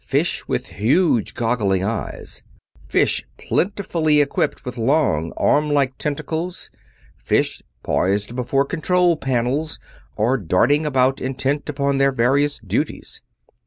Fish with huge, goggling eyes; fish plentifully equipped with long, armlike tentacles; fish poised before control panels or darting about intent upon their various duties.